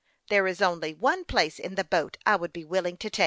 There is only one place in the boat I would be willing to take."